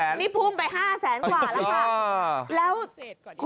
นี่พุ่งไป๕แสนกว่าแล้วค่ะ